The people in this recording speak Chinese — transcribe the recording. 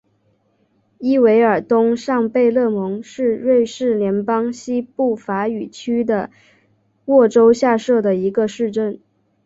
伊韦尔东上贝勒蒙是瑞士联邦西部法语区的沃州下设的一个市镇。